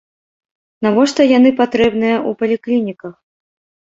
Навошта яны патрэбныя ў паліклініках?